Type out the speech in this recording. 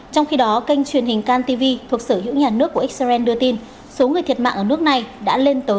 trong khi đó kênh truyền hình cantv thuộc sở hữu nhà nước của xrn đưa tin số người thiệt mạng ở nước này đã lên tới bảy trăm linh người